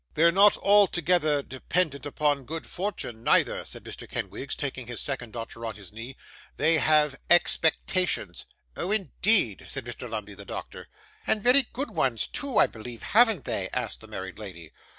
'They're not altogether dependent upon good fortune, neither,' said Mr. Kenwigs, taking his second daughter on his knee; 'they have expectations.' 'Oh, indeed!' said Mr. Lumbey, the doctor. 'And very good ones too, I believe, haven't they?' asked the married lady.